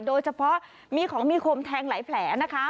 โดยเฉพาะมีของมีคมแทงหลายแผลนะคะ